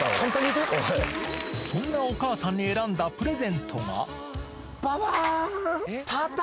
そんなお母さんに選んだプレばばーん。